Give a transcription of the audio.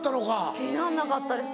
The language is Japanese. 気になんなかったです